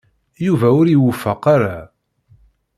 Yuba ur iwufeq ara.